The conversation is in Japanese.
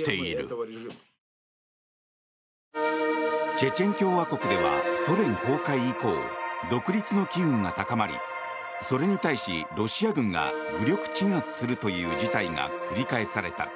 チェチェン共和国ではソ連崩壊以降独立の機運が高まりそれに対し、ロシア軍が武力鎮圧するという事態が繰り返された。